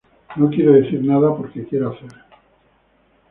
No quiero decir nada porque quiero hacer.